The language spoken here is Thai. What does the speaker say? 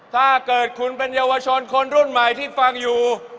ถ้าเกิดคุณเป็นเยาวชนคนรุ่นใหม่ที่ฟังอยู่